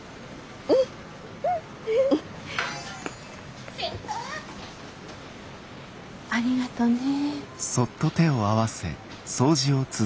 うん！ありがとね。